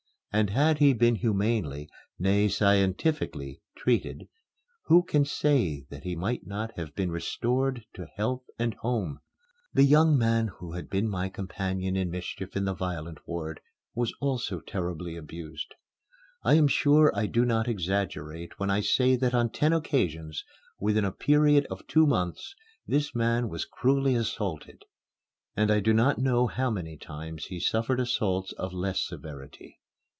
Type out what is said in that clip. And had he been humanely, nay, scientifically, treated, who can say that he might not have been restored to health and home? The young man who had been my companion in mischief in the violent ward was also terribly abused. I am sure I do not exaggerate when I say that on ten occasions, within a period of two months, this man was cruelly assaulted, and I do not know how many times he suffered assaults of less severity.